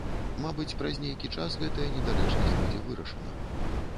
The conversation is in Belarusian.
Мабыць, праз нейкі час гэтая недарэчнасць будзе вырашана.